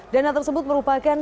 dana tersebut merupakan